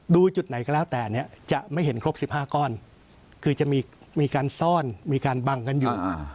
ดูจุดไหนก็แล้วแต่เนี่ยจะไม่เห็นครบ๑๕ก้อนคือจะมีการซ่อนมีการบังกันอยู่